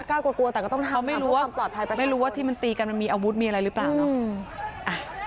กล้ากลัวกลัวแต่ก็ต้องทำไม่รู้ว่าที่มันตีกันมันมีอาวุธมีอะไรหรือเปล่าเนอะอ่า